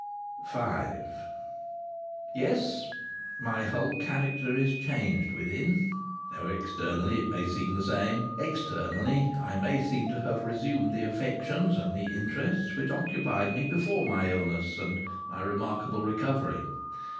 V Yes, my whole character is changed, within; though externally it may seem the same. Externally I may seem to have resumed the affections and the interests which occupied me before my illness and my remarkable recovery.